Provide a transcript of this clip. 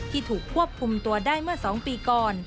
ถูกควบคุมตัวได้เมื่อ๒ปีก่อน